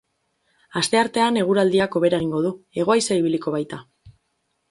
Asteartean eguraldiak hobera egingo du, hego haizea ibiliko baita.